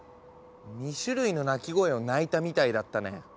２種類の鳴き声を鳴いたみたいだったね。